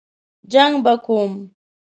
جنګ به کوم.